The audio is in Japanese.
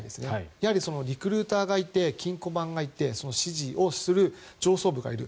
やはりリクルーターがいて金庫番がいて指示をする上層部がいる。